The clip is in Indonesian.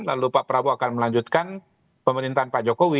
lalu pak prabowo akan melanjutkan pemerintahan pak jokowi